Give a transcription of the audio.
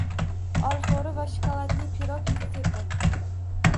Olxo‘ri va shokoladli pirog retsepti